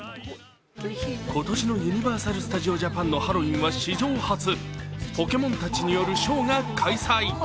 今年のユニバーサル・スタジオ・ジャパンのハロウィーンは史上初ポケモンたちによるショーが開催。